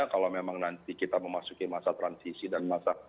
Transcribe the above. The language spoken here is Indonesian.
kalau memang nanti kita memasuki masa transisi dan masa